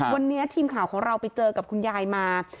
วันนี้ทีมข่าวของเราไปเจอกับคุณยายมา